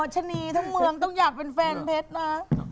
ชะนีทั้งเมืองต้องอยากเป็นแฟนเพชรนะ